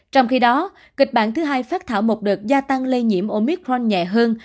trong khi đó kịch bản thứ hai phát thảo một đợt gia tăng lây nhiễm omicron nhẹ hơn